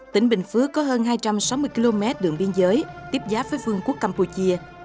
tỉnh bình phước có hơn hai trăm sáu mươi km đường biên giới tiếp giáp với vương quốc campuchia